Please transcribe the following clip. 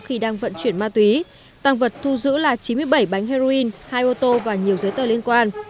khi đang vận chuyển ma túy tăng vật thu giữ là chín mươi bảy bánh heroin hai ô tô và nhiều giấy tờ liên quan